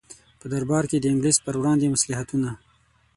په دربار کې د انګلیس پر وړاندې مصلحتونه.